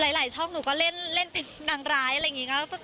หลายช่องหนูก็เล่นเป็นนางร้ายอะไรอย่างนี้